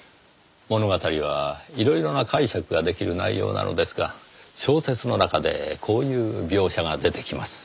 物語はいろいろな解釈が出来る内容なのですが小説の中でこういう描写が出てきます。